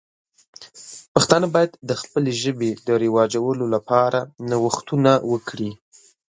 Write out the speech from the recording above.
پښتانه باید د خپلې ژبې د رواجولو لپاره نوښتونه وکړي.